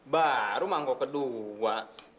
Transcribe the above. baru mangkok kedua